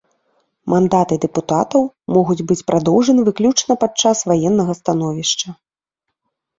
Мандаты дэпутатаў могуць быць прадоўжаны выключна падчас ваеннага становішча.